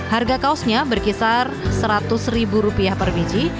harga kaosnya berkisar seratus ribu rupiah per biji